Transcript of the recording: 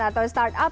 atau start up